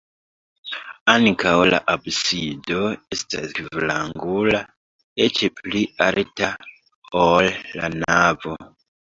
Ankaŭ la absido estas kvarangula, eĉ pli alta, ol la navo.